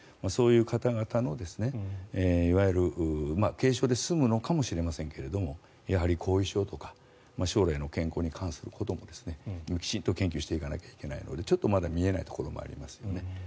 そういう方々のいわゆる軽症で済むのかもしれませんがやはり後遺症とか将来の意見交換することもきちんと研究していかないといけないので見えないところもありますよね。